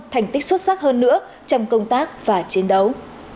thành tích xuất sắc hơn nữa trong công tác và chiến đấu